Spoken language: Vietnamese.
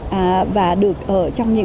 các tỉnh thành đã được đưa vào hệ thống siêu thị